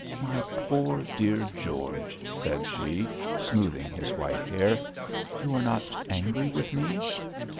'My poor dear George,' said she, smoothing his white hair, 'you are not angry with me?'